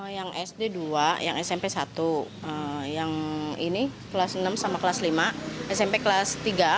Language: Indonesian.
yang sd dua yang smp satu yang ini kelas enam sama kelas lima smp kelas tiga